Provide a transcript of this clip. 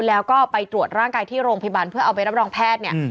แล้วก็ไปตรวจร่างกายที่โรงพยาบาลเพื่อเอาไปรับรองแพทย์เนี่ย